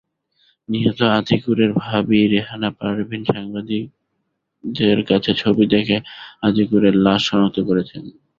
নিহত আতিকুরের ভাবি রেহানা পারভিন সাংবাদিকদের কাছে ছবি দেখে আতিকুরের লাশ শনাক্ত করেছেন।